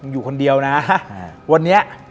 อยู่คนเดียวนะวันนี้